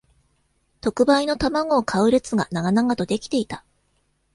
特売の玉子を買う列が長々と出来ていた